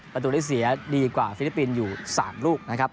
ประตูได้เสียดีกว่าฟิลิปปินส์อยู่๓ลูกนะครับ